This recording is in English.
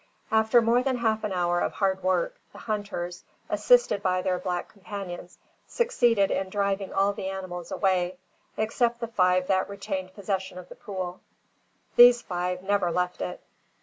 After more than half an hour of hard work, the hunters, assisted by their black companions succeeded in driving all the animals away, except the five that retained possession of the pool. These five never left it.